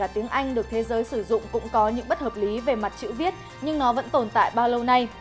tiếng anh được thế giới sử dụng cũng có những bất hợp lý về mặt chữ viết nhưng nó vẫn tồn tại bao lâu nay